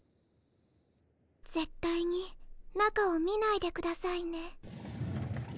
ぜったいに中を見ないでくださいね。